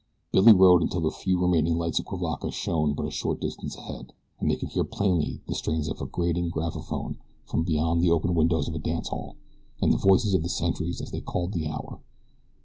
Billy rode until the few remaining lights of Cuivaca shone but a short distance ahead and they could hear plainly the strains of a grating graphophone from beyond the open windows of a dance hall, and the voices of the sentries as they called the hour.